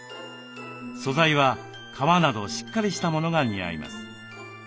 素材は革などしっかりしたものが似合います。